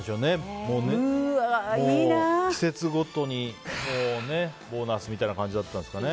季節ごとにボーナスみたいな感じだったんですかね。